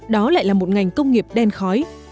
đó lại là một ngành công nghiệp đen khói